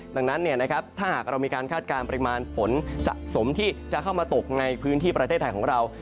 ดังนั้นถ้าหากเรามีการคาดการณ์ปริมาณฝนสะสมที่จะเข้ามาตกในพื้นที่ประเทศไทยของเรา